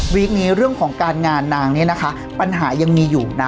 นี้เรื่องของการงานนางนี้นะคะปัญหายังมีอยู่นะ